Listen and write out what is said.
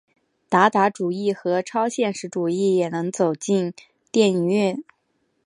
达达主义和超现实主义也能走进电影院。